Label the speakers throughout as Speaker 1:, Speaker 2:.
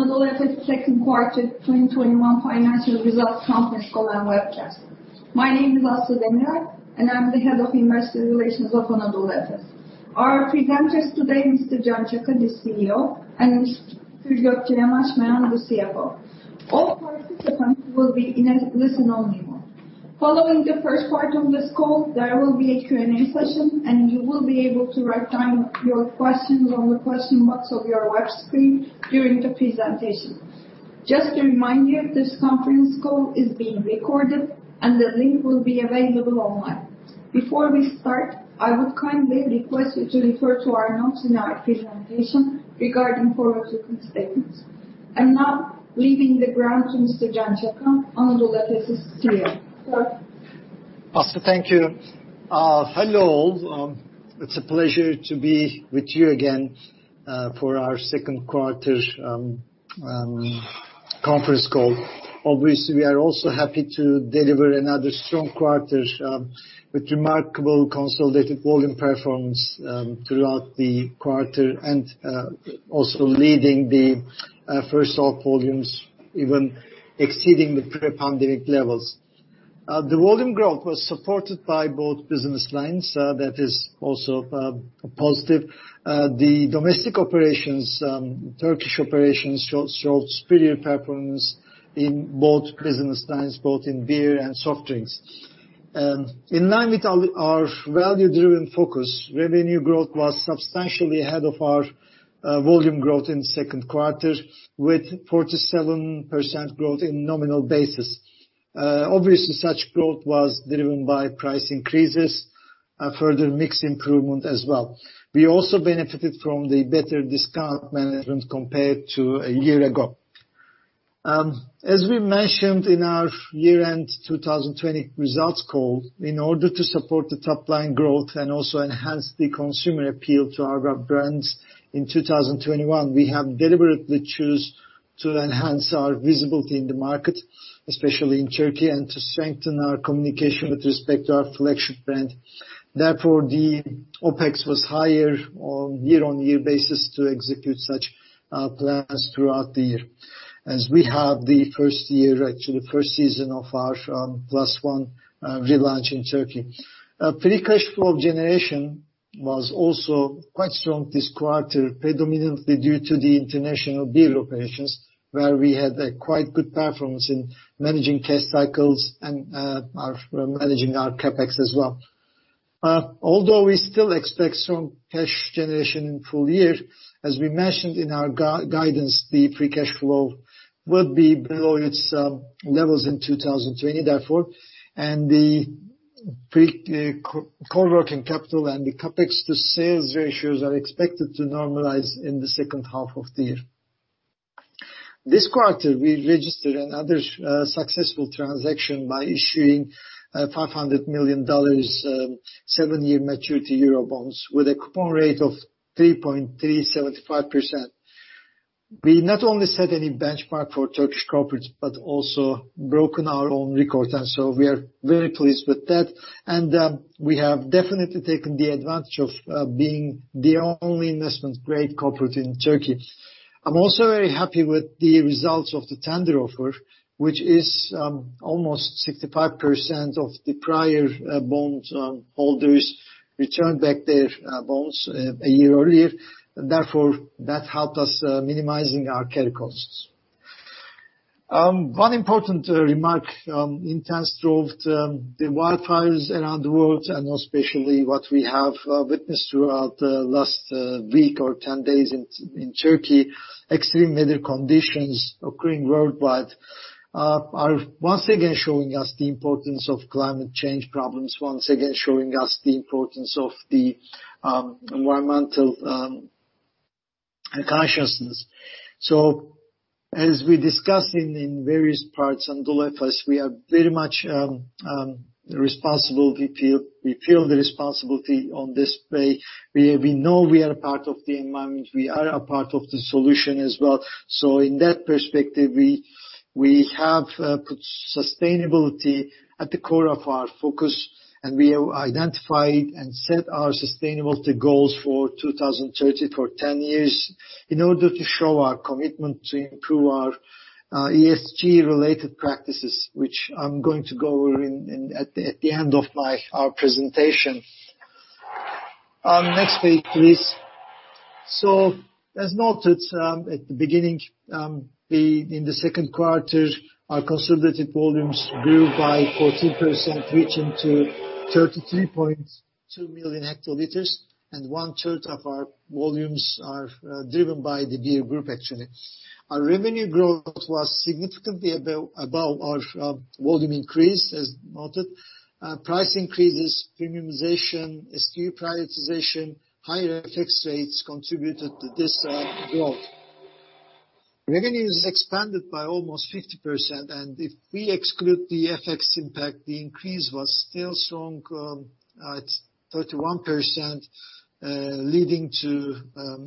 Speaker 1: Anadolu Efes second quarter 2021 financial results conference call and webcast. My name is Aslı Demirel, and I'm the Head of Investor Relations of Anadolu Efes. Our presenters today, Mr. Can Çaka, the CEO, and Mr. Gökçe Yanaşmayan, the CFO. All participants will be in a listen-only mode. Following the first part of this call, there will be a Q&A session, and you will be able to write down your questions on the question box of your web screen during the presentation. Just to remind you, this conference call is being recorded, and the link will be available online. Before we start, I would kindly request you to refer to our notes in our presentation regarding forward-looking statements. Now leaving the ground to Mr. Can Çaka, Anadolu Efes' CEO. Sir.
Speaker 2: Aslı, thank you. Hello, all. It's a pleasure to be with you again for our second quarter conference call. We are also happy to deliver another strong quarter with remarkable consolidated volume performance throughout the quarter, leading the first half volumes even exceeding the pre-pandemic levels. The volume growth was supported by both business lines. That is also positive. The domestic operations, Turkish operations, showed superior performance in both business lines, both in beer and soft drinks. In line with our value-driven focus, revenue growth was substantially ahead of our volume growth in the second quarter, with 47% growth in nominal basis. Such growth was driven by price increases, further mix improvement as well. We also benefited from the better discount management compared to a year ago. As we mentioned in our year-end 2020 results call, in order to support the top-line growth and also enhance the consumer appeal to our brands in 2021, we have deliberately chose to enhance our visibility in the market, especially in Turkey, and to strengthen our communication with respect to our flagship brand. Therefore, the OpEx was higher on year on year basis to execute such plans throughout the year as we have the first year, actually first season of our Plus One relaunch in Turkey. Free cash flow generation was also quite strong this quarter, predominantly due to the international beer operations, where we had a quite good performance in managing cash cycles and managing our CapEx as well. Although we still expect strong cash generation in full year, as we mentioned in our guidance, the free cash flow will be below its levels in 2020, therefore, and the core working capital and the CapEx to sales ratios are expected to normalize in the second half of the year. This quarter, we registered another successful transaction by issuing $500 million seven-year maturity Eurobonds with a coupon rate of 3.375%. We not only set a new benchmark for Turkish corporates but also broken our own record, and so we are very pleased with that, and we have definitely taken the advantage of being the only investment-grade corporate in Turkey. I'm also very happy with the results of the tender offer, which is almost 65% of the prior bond holders returned back their bonds a year earlier. Therefore, that helped us minimizing our carry costs. One important remark. Intense drought, the wildfires around the world, and especially what we have witnessed throughout the last week or 10 days in Turkey, extreme weather conditions occurring worldwide are once again showing us the importance of climate change problems, once again showing us the importance of the environmental consciousness. As we discussed in various parts, Anadolu Efes, we are very much responsible. We feel the responsibility on this way. We know we are a part of the environment. We are a part of the solution as well. In that perspective, we have put sustainability at the core of our focus, and we have identified and set our sustainability goals for 2030 for 10 years in order to show our commitment to improve our ESG-related practices, which I'm going to go over at the end of our presentation. Next page, please. As noted at the beginning, in the second quarter, our consolidated volumes grew by 14%, reaching to 33.2 million hectoliters, and one-third of our volumes are driven by the Beer Group actually. Our revenue growth was significantly above our volume increase, as noted. Price increases, premiumization, SKU prioritization, higher FX rates contributed to this growth. Revenues expanded by almost 50%, and if we exclude the FX impact, the increase was still strong at 31%, leading to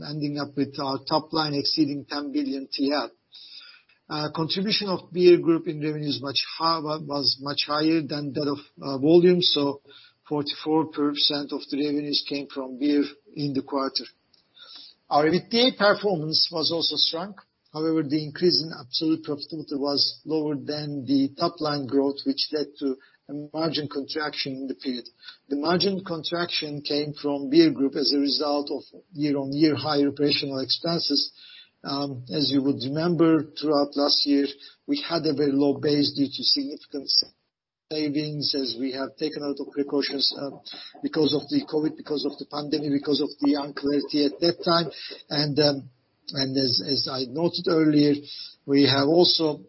Speaker 2: ending up with our top line exceeding 10 billion TL. Contribution of Beer Group in revenue was much higher than that of volume. 44% of the revenues came from beer in the quarter. Our EBITDA performance was also strong. However, the increase in absolute profitability was lower than the top-line growth, which led to a margin contraction in the period. The margin contraction came from Beer Group as a result of year on year higher operational expenses. As you would remember, throughout last year, we had a very low base due to significant savings as we have taken out of precautions because of the COVID, because of the pandemic, because of the uncertainty at that time. As I noted earlier, we have also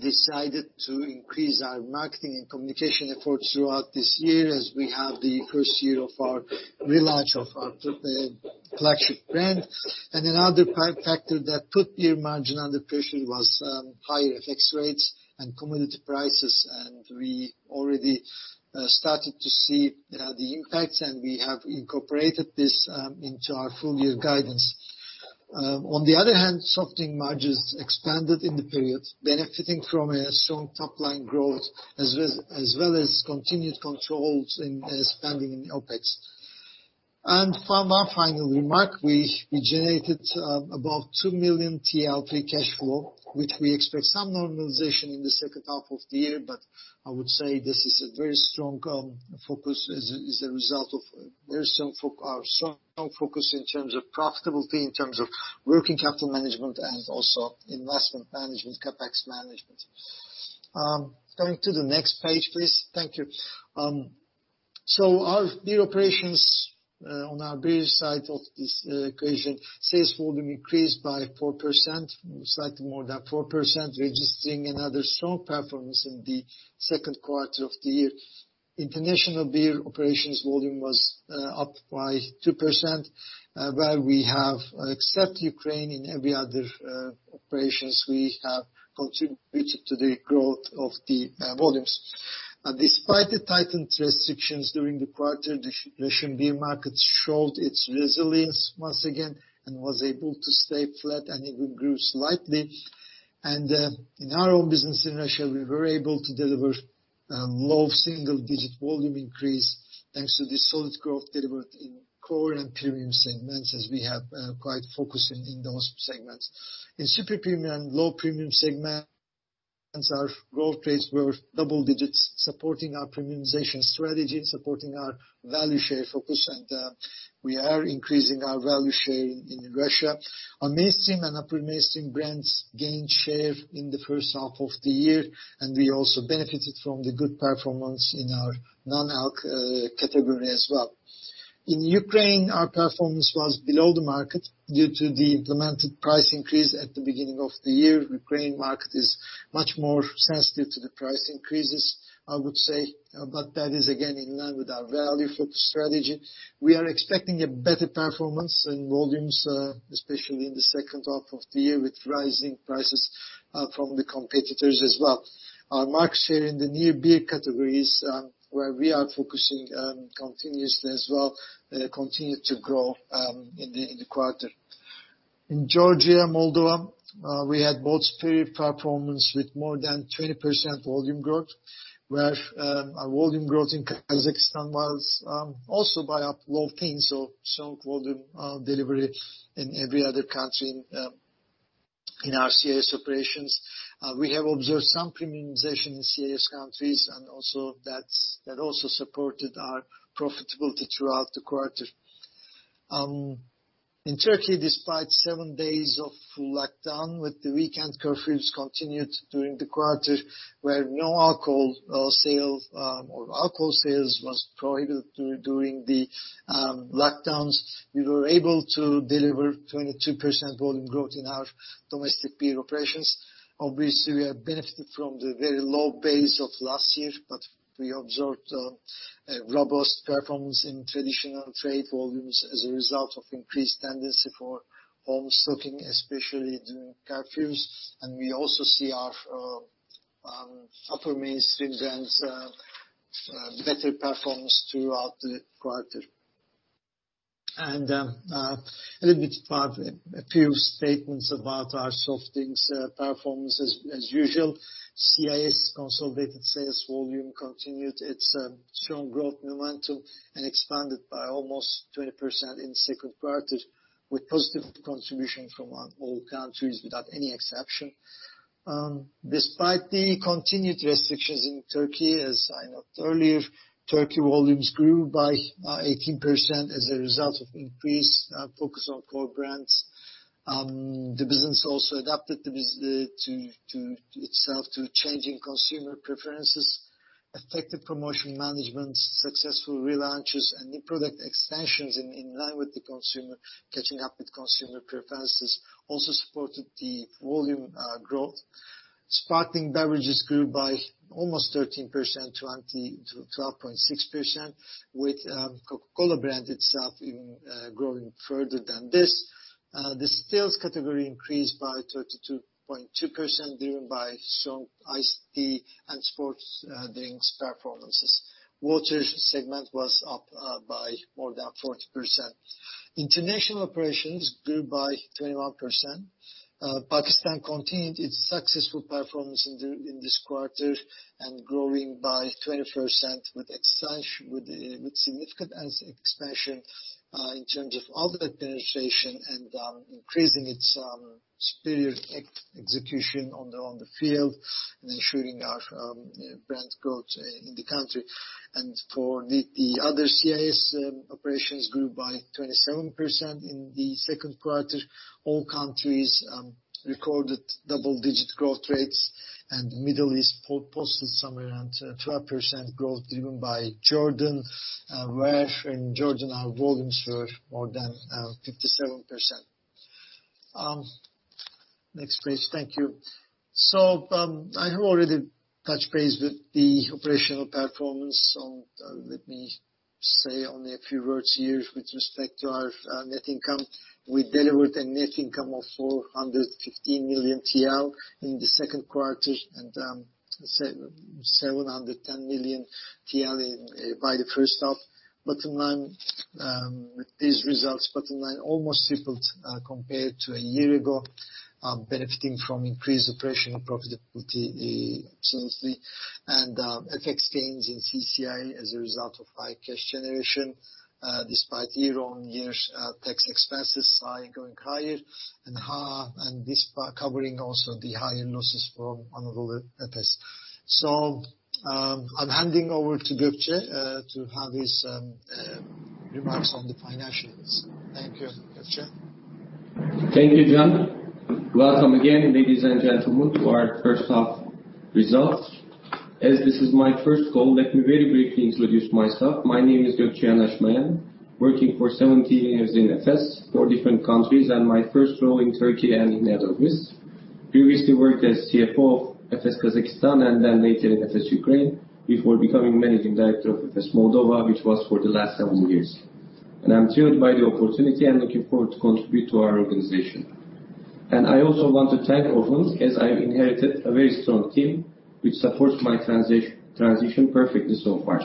Speaker 2: decided to increase our marketing and communication efforts throughout this year as we have the first year of our relaunch of our flagship brand. Another factor that put beer margin under pressure was higher FX rates and commodity prices. We already started to see the impact, and we have incorporated this into our full-year guidance. On the other hand, soft drink margins expanded in the period, benefiting from a strong top-line growth, as well as continued controls in spending in OpEx. For my final remark, we generated above 2 million TRY free cash flow, which we expect some normalization in the second half of the year, I would say this is a very strong focus as a result of our strong focus in terms of profitability, in terms of working capital management and also investment management, CapEx management. Going to the next page, please. Thank you. Our beer operations on our beer side of this equation. Sales volume increased by 4%, slightly more than 4%, registering another strong performance in the second quarter of the year. International beer operations volume was up by 2%, where we have, except Ukraine, in every other operations, we have contributed to the growth of the volumes. Despite the tightened restrictions during the quarter, the Russian beer market showed its resilience once again and was able to stay flat and even grew slightly. In our own business in Russia, we were able to deliver low single-digit volume increase, thanks to the solid growth delivered in core and premium segments as we have quite focusing in those segments. In super premium, low premium segments, our growth rates were double digits, supporting our premiumization strategy and supporting our value share focus. We are increasing our value share in Russia. Our mainstream and upper mainstream brands gained share in the first half of the year. We also benefited from the good performance in our non-alc category as well. In Ukraine, our performance was below the market due to the implemented price increase at the beginning of the year. Ukraine market is much more sensitive to the price increases, I would say, but that is again in line with our value focus strategy. We are expecting a better performance in volumes, especially in the second half of the year with rising prices from the competitors as well. Our market share in the near beer categories where we are focusing continuously as well continue to grow in the quarter. In Georgia, Moldova, we had both period performance with more than 20% volume growth, where our volume growth in Kazakhstan was also by a low teen. Strong volume delivery in every other country in our CIS operations. We have observed some premiumization in CIS countries and that also supported our profitability throughout the quarter. In Turkey, despite seven days of lockdown with the weekend curfews continued during the quarter, where no alcohol sales was prohibited during the lockdowns. We were able to deliver 22% volume growth in our domestic beer operations. Obviously, we have benefited from the very low base of last year. We observed a robust performance in traditional trade volumes as a result of increased tendency for home stocking, especially during curfews. We also see our upper mainstream brands better performance throughout the quarter. A little bit, a few statements about our soft drinks performance. As usual, CIS consolidated sales volume continued its strong growth momentum and expanded by almost 20% in the second quarter with positive contribution from all countries without one exception. Despite the continued restrictions in Turkey, as I noted earlier, Turkey volumes grew by 18% as a result of increased focus on core brands. The business also adapted itself to changing consumer preferences, effective promotion management, successful relaunches, and new product extensions in line with the consumer catching up with consumer preferences also supported the volume growth. Sparkling beverages grew by almost 13%, 12.6%, with Coca-Cola brand itself even growing further than this. The stills category increased by 32.2%, driven by strong iced tea and sports drinks performances. Waters segment was up by more than 40%. International operations grew by 21%. Pakistan continued its successful performance in this quarter and growing by 20%. Such with significant expansion in terms of organization and increasing its superior execution on the field, and ensuring our brand growth in the country. For the other CIS operations grew by 27% in the second quarter. All countries recorded double digit growth rates, and Middle East posted somewhere around 12% growth driven by Jordan, where in Jordan our volumes were more than 57%. Next page. Thank you. I have already touched base with the operational performance, so let me say only a few words here with respect to our net income. We delivered a net income of 415 million TL in the second quarter, and 710 million TL by the first half. These results bottom line almost tripled compared to a year ago, benefiting from increased operational profitability absolutely, and a tax gain in CCI as a result of high cash generation, despite year on year tax expenses going higher, and this covering also the higher losses from Anadolu Efes. I'm handing over to Gökçe to have his remarks on the financials. Thank you. Gökçe?
Speaker 3: Thank you, Can Çaka. Welcome again, ladies and gentlemen, to our first half results. As this is my first call, let me very briefly introduce myself. My name is Gökçe Yanaşmayan. Working for 17 years in Efes, four different countries, and my first role in Turkey and in Netherlands. Previously worked as CFO of Efes Kazakhstan, and then later in Efes Ukraine, before becoming Managing Director of Efes Moldova, which was for the last seven years. I'm thrilled by the opportunity and looking forward to contribute to our organization. I also want to thank Orhun, as I inherited a very strong team which supports my transition perfectly so far.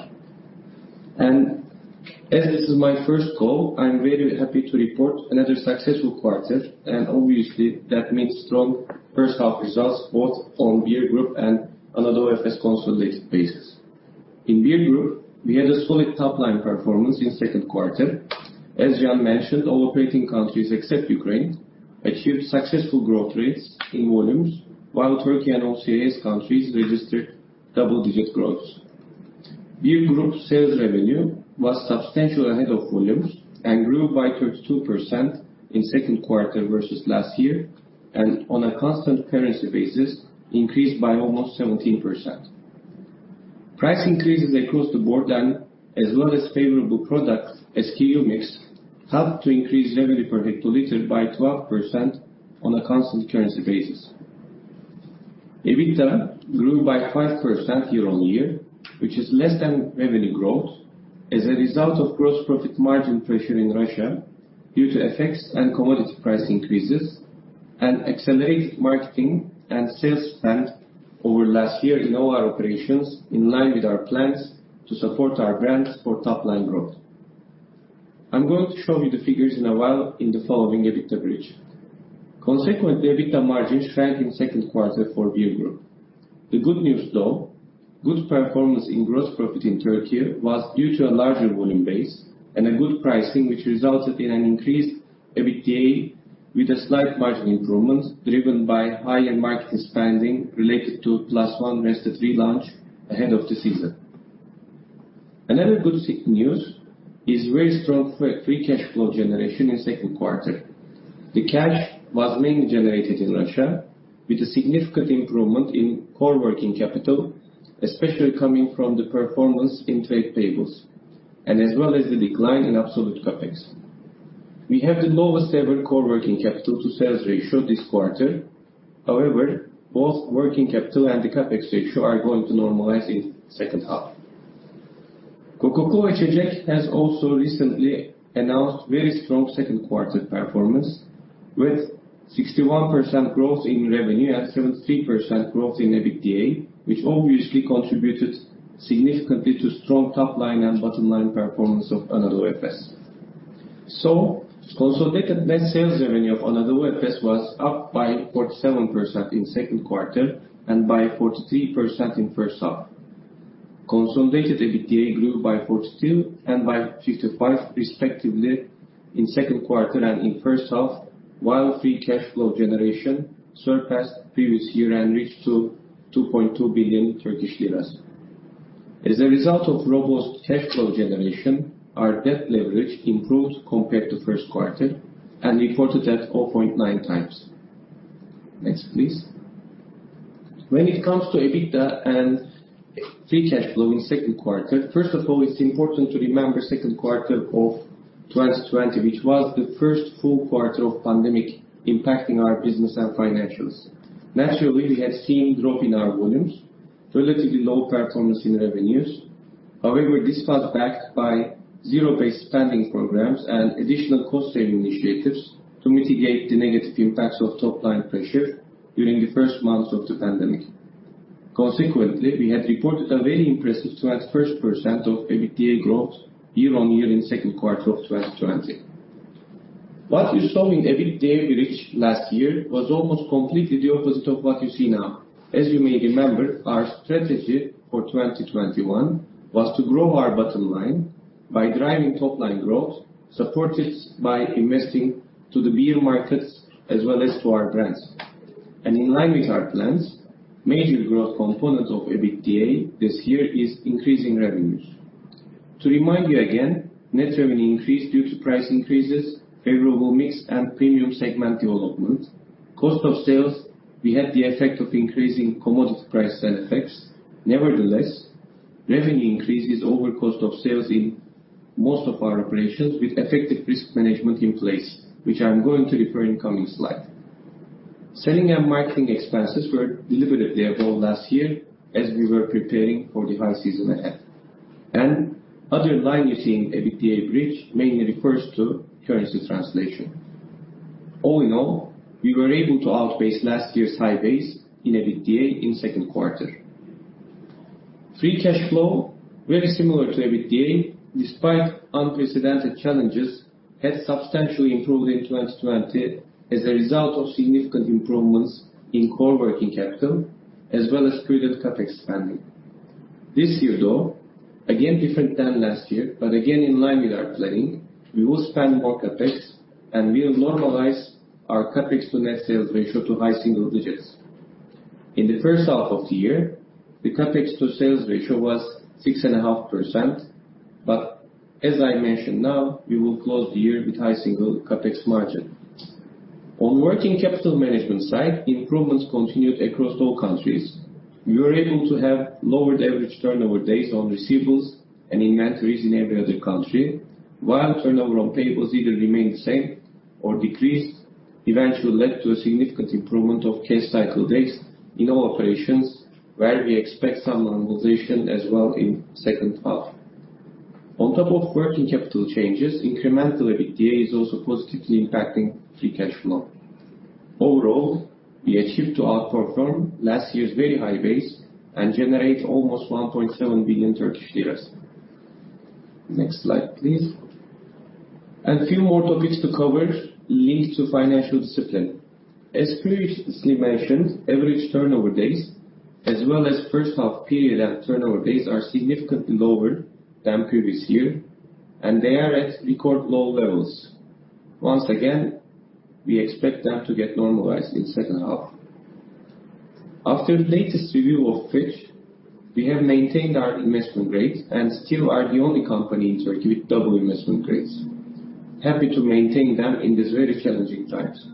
Speaker 3: As this is my first call, I'm very happy to report another successful quarter. Obviously, that means strong first half results both on Beer Group and Anadolu Efes consolidated basis. In Beer Group, we had a solid top-line performance in second quarter. As Can mentioned, all operating countries except Ukraine achieved successful growth rates in volumes, while Turkey and OCAS countries registered double-digit growth. Beer Group sales revenue was substantially ahead of volumes and grew by 32% in second quarter versus last year, and on a constant currency basis, increased by almost 17%. Price increases across the board, and as well as favorable product SKU mix helped to increase revenue per hectoliter by 12% on a constant currency basis. EBITDA grew by 5% year on year, which is less than revenue growth as a result of gross profit margin pressure in Russia due to FX and commodity price increases, and accelerated marketing and sales spend over last year in all our operations, in line with our plans to support our brands for top-line growth. I'm going to show you the figures in a while in the following EBITDA bridge. Consequently, EBITDA margins shrank in second quarter for Beer Group. The good news though, good performance in gross profit in Turkey was due to a larger volume base and a good pricing, which resulted in an increased EBITDA with a slight margin improvement, driven by higher marketing spending related to Plus One Rested relaunch ahead of the season. Another good news is very strong free cash flow generation in second quarter. The cash was mainly generated in Russia with a significant improvement in core working capital, especially coming from the performance in trade payables, and as well as the decline in absolute CapEx. We have the lowest ever core working capital to sales ratio this quarter. However, both working capital and the CapEx ratio are going to normalize in second half. Coca-Cola İçecek has also recently announced very strong second quarter performance, with 61% growth in revenue and 3% growth in EBITDA, which obviously contributed significantly to strong top line and bottom line performance of Anadolu Efes. Consolidated net sales revenue of Anadolu Efes was up by 47% in second quarter and by 43% in first half. Consolidated EBITDA grew by 42% and by 55% respectively in second quarter and in first half, while free cash flow generation surpassed previous year and reached to 2.2 billion Turkish lira. As a result of robust cash flow generation, our debt leverage improved compared to first quarter and reported at 0.9x. Next, please. When it comes to EBITDA and free cash flow in second quarter, first of all, it's important to remember second quarter of 2020, which was the first full quarter of pandemic impacting our business and financials. Naturally, we had seen drop in our volumes, relatively low performance in revenues. However, this was backed by zero-based spending programs and additional cost saving initiatives to mitigate the negative impacts of top line pressure during the first months of the pandemic. Consequently, we had reported a very impressive 21% of EBITDA growth year on year in second quarter of 2020. What you saw in EBITDA bridge last year was almost completely the opposite of what you see now. As you may remember, our strategy for 2021 was to grow our bottom line by driving top-line growth, supported by investing to the beer markets as well as to our brands. In line with our plans, major growth component of EBITDA this year is increasing revenues. To remind you again, net revenue increased due to price increases, favorable mix, and premium segment development. Cost of sales, we had the effect of increasing commodity price and FX. Nevertheless, revenue increase is over cost of sales in most of our operations with effective risk management in place, which I'm going to refer in coming slide. Selling and marketing expenses were deliberately above last year as we were preparing for the high season ahead. Other line you see in EBITDA bridge mainly refers to currency translation. All in all, we were able to outpace last year's high base in EBITDA in second quarter. Free cash flow, very similar to EBITDA, despite unprecedented challenges, had substantially improved in 2020 as a result of significant improvements in core working capital as well as prudent CapEx spending. This year though, again different than last year, but again in line with our planning, we will spend more CapEx and we'll normalize our CapEx to net sales ratio to high single digits. In the first half of the year, the CapEx to sales ratio was 6.5%, as I mentioned now, we will close the year with high single CapEx margin. On working capital management side, improvements continued across all countries. We were able to have lower average turnover days on receivables and inventories in every other country, while turnover on payables either remained the same or decreased, eventually led to a significant improvement of cash cycle days in all operations where we expect some normalization as well in second half. On top of working capital changes, incremental EBITDA is also positively impacting free cash flow. Overall, we achieved to outperform last year's very high base and generate almost 1.7 billion Turkish lira. Next slide, please. Few more topics to cover leads to financial discipline. As previously mentioned, average turnover days as well as first half period end turnover days are significantly lower than previous year, and they are at record low levels. Once again, we expect them to get normalized in second half. After latest review of Fitch, we have maintained our investment grade and still are the only company in Turkey with double investment grades. Happy to maintain them in this very challenging times.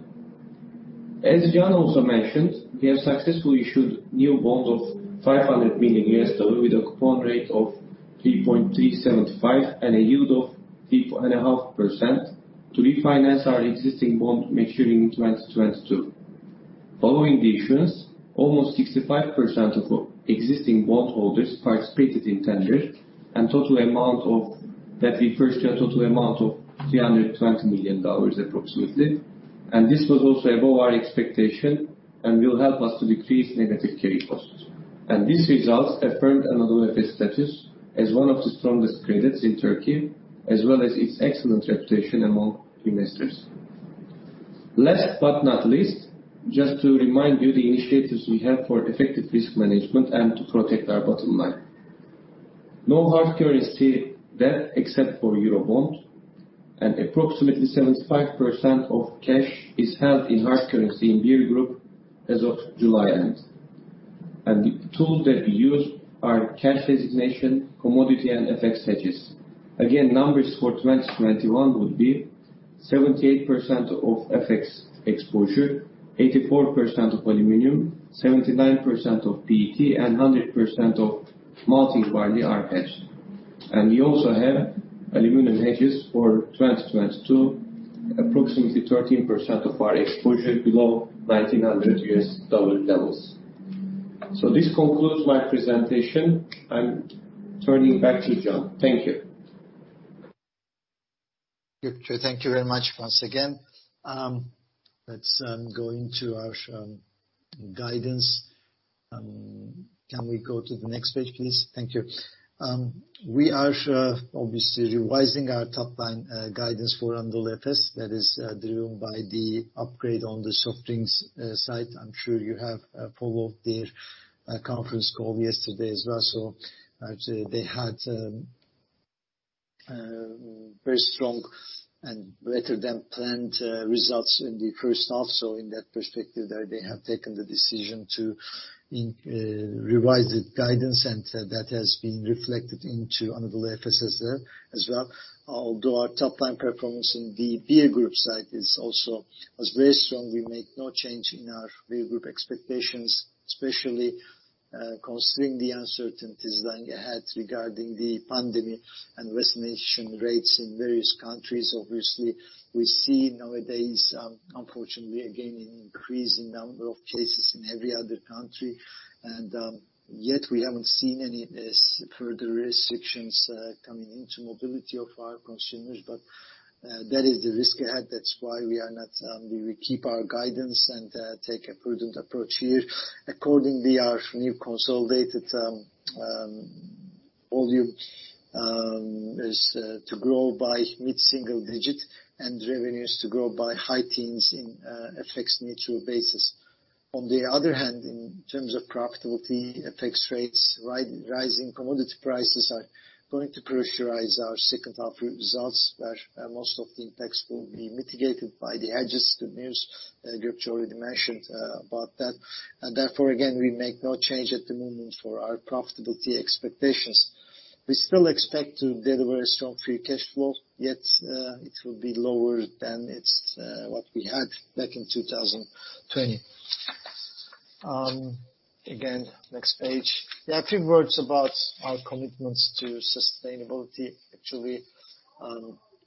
Speaker 3: As Can also mentioned, we have successfully issued new bonds of $500 million with a coupon rate of 3.375% and a yield of 3.5% to refinance our existing bond maturing in 2022. Following the issuance, almost 65% of existing bond holders participated in tender, we reached a total amount of $320 million approximately. This was also above our expectation and will help us to decrease negative carry costs. These results affirmed Anadolu Efes' status as one of the strongest credits in Turkey, as well as its excellent reputation among investors. Last but not least, just to remind you the initiatives we have for effective risk management and to protect our bottom line. No hard currency debt except for Eurobond, approximately 75% of cash is held in hard currency in Beer Group as of July end. The tools that we use are cash designation, commodity, and FX hedges. Again, numbers for 2021 would be 78% of FX exposure, 84% of aluminum, 79% of PET, and 100% of malted barley are hedged. We also have aluminum hedges for 2022, approximately 13% of our exposure below $1,900 levels. This concludes my presentation. I'm turning back to Can. Thank you.
Speaker 2: Thank you very much once again. Let's go into our guidance. Can we go to the next page, please? Thank you. We are obviously revising our top line guidance for Anadolu Efes, that is driven by the upgrade on the soft drinks side. I'm sure you have followed their conference call yesterday as well. I'd say they had very strong and better than planned results in the first half. In that perspective, they have taken the decision to revise the guidance, and that has been reflected into Anadolu Efes as well. Although our top line performance in the Beer Group side is also as very strong, we make no change in our Beer Group expectations, especially considering the uncertainties lying ahead regarding the pandemic and vaccination rates in various countries. Obviously, we see nowadays, unfortunately, again, an increasing number of cases in every other country. Yet we haven't seen any further restrictions coming into mobility of our consumers. That is the risk ahead, that's why we keep our guidance and take a prudent approach here. Accordingly, our new consolidated volume is to grow by mid-single digit and revenues to grow by high teens in an FX neutral basis. On the other hand, in terms of profitability, FX rates rising, commodity prices are going to pressurize our second half results, where most of the impacts will be mitigated by the hedges. The news, Gökçe already mentioned about that. Therefore, again, we make no change at the moment for our profitability expectations. We still expect to deliver strong free cash flow, yet it will be lower than what we had back in 2020. Again, next page. A few words about our commitments to sustainability.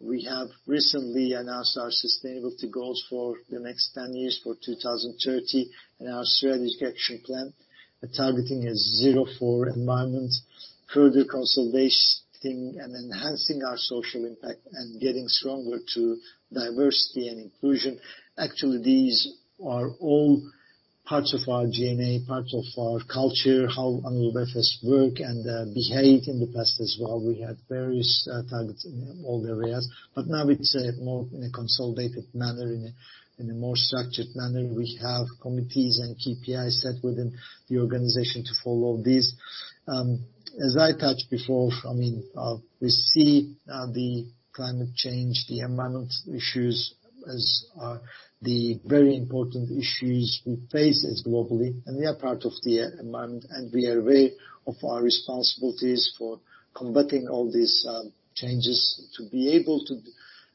Speaker 2: We have recently announced our sustainability goals for the next 10 years, for 2030, in our strategy action plan. We're targeting a zero for environment, further consolidation and enhancing our social impact, and getting stronger to diversity and inclusion. These are all parts of our DNA, parts of our culture, how Anadolu Efes work and behave in the past as well. We had various targets in all the areas, but now it's more in a consolidated manner, in a more structured manner. We have committees and KPIs set within the organization to follow these. As I touched before, we see the climate change, the environment issues as the very important issues we face as globally, and we are part of the environment, and we are aware of our responsibilities for combating all these changes to be able to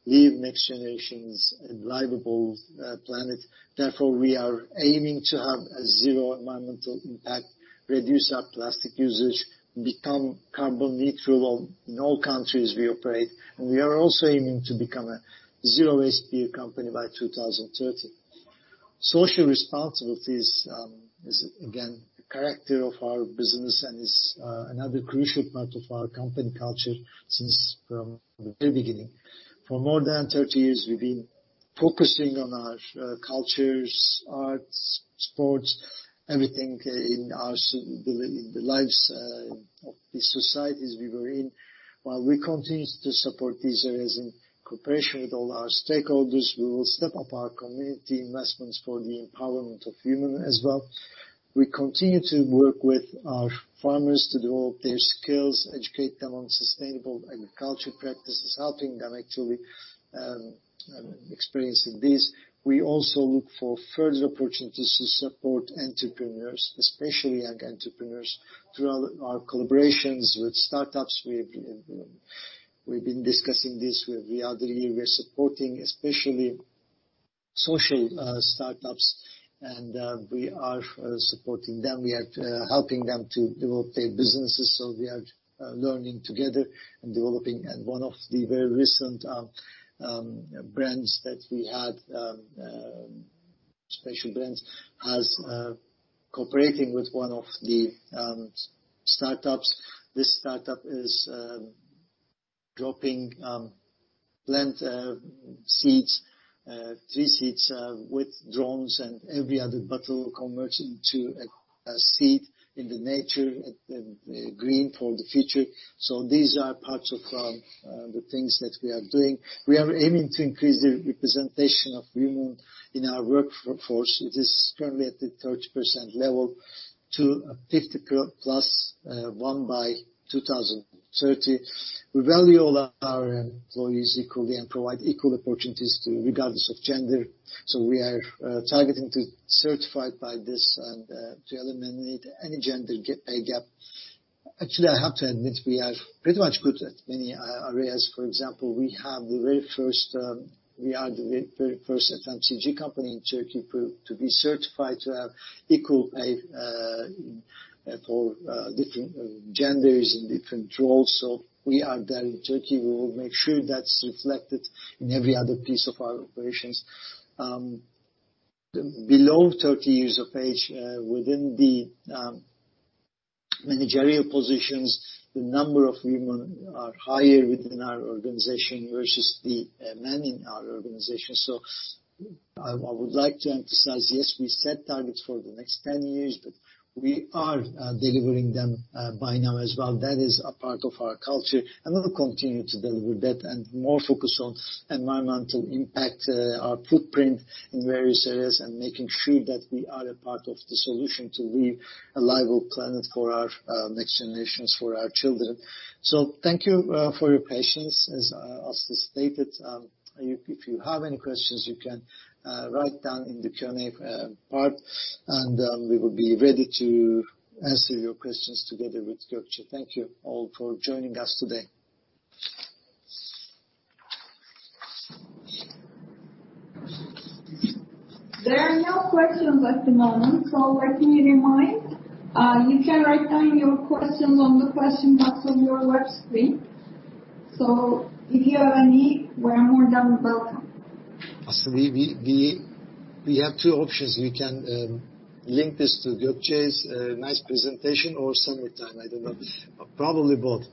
Speaker 2: leave next generations a livable planet. Therefore, we are aiming to have a zero environmental impact, reduce our plastic usage, become carbon neutral in all countries we operate, and we are also aiming to become a zero waste beer company by 2030. Social responsibilities is again, the character of our business and is another crucial part of our company culture since from the very beginning. For more than 30 years, we've been focusing on our cultures, arts, sports, everything in the lives of the societies we were in. While we continue to support these areas in cooperation with all our stakeholders, we will step up our community investments for the empowerment of human as well. We continue to work with our farmers to develop their skills, educate them on sustainable agriculture practices, helping them actually experiencing this. We also look for further opportunities to support entrepreneurs, especially young entrepreneurs, through our collaborations with startups. We've been discussing this with the other year. We are supporting especially social startups, and we are supporting them. We are helping them to develop their businesses. We are learning together and developing. One of the very recent brands that we had, special brands, has cooperating with one of the startups. This startup is dropping plant seeds, tree seeds with drones, and every other bottle converts into a seed in the nature, green for the future. These are parts of the things that we are doing. We are aiming to increase the representation of women in our workforce, which is currently at the 30% level, to 50+% one by 2030. We value all our employees equally and provide equal opportunities regardless of gender. We are targeting to certify by this and to eliminate any gender pay gap. I have to admit, we are pretty much good at many areas. For example, we are the very first FMCG company in Turkey to be certified to have equal pay for different genders in different roles. We are there in Turkey. We will make sure that's reflected in every other piece of our operations. Below 30 years of age, within the managerial positions, the number of women are higher within our organization versus the men in our organization. I would like to emphasize, yes, we set targets for the next 10 years, but we are delivering them by now as well. That is a part of our culture, and we'll continue to deliver that and more focus on environmental impact, our footprint in various areas, and making sure that we are a part of the solution to leave a livable planet for our next generations, for our children. Thank you for your patience. As Aslı stated, if you have any questions, you can write down in the Q&A part, and we will be ready to answer your questions together with Gökçe. Thank you all for joining us today.
Speaker 1: There are no questions at the moment. Let me remind, you can write down your questions on the question box on your web screen. If you have any, we're more than welcome.
Speaker 2: Aslı, we have two options. We can link this to Gökçe's nice presentation or some other time. I don't know. Probably both.